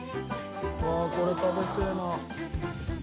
うわーこれ食べてえな。